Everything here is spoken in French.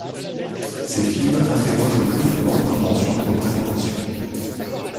Ces films interrogent le plus souvent les conventions de représentation.